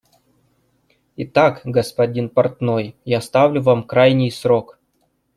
Итак, господин портной, я ставлю вам крайний срок.